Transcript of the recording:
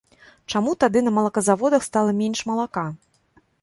Чаму тады на малаказаводах стала менш малака?